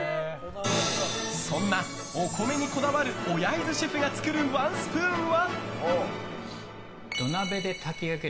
そんなお米にこだわる小柳津シェフが作るワンスプーンは。